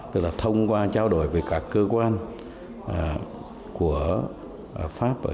tức là thông qua trao đổi với các cơ quan của pháp